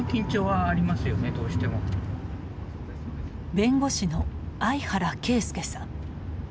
弁護士の相原啓介さん。